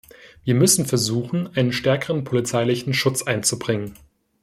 Wir müssen versuchen, einen stärkeren polizeilichen Schutz einzubringen.